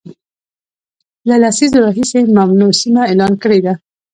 له لسیزو راهیسي ممنوع سیمه اعلان کړې ده